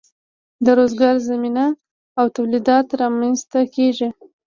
د روزګار زمینه او تولیدات رامینځ ته کیږي.